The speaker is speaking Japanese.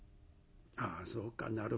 ああそうかなるほどね。